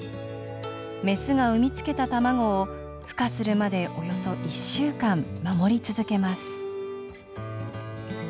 メスが産み付けた卵をふ化するまでおよそ１週間守り続けます。